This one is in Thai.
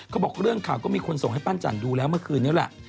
บอกเรื่องข่าวก็มีคนส่งให้ปั้นจันทร์ดูแล้วเมื่อคืนนี้แหละ